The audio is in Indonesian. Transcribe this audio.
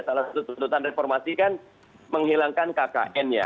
salah satu tuntutan reformasi kan menghilangkan kkn nya